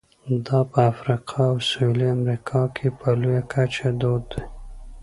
دا په افریقا او سوېلي امریکا کې په لویه کچه دود دي.